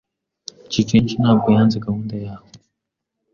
Jivency ntabwo yanze gahunda yawe.